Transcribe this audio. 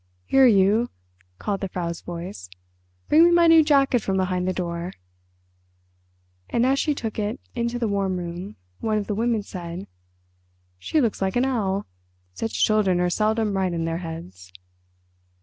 "Here you!" called the Frau's voice, "bring me my new jacket from behind the door." And as she took it into the warm room one of the women said, "She looks like an owl. Such children are seldom right in their heads."